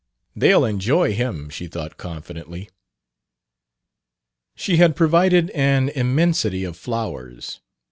"They'll enjoy him," she thought confidently. She had provided an immensity of flowers.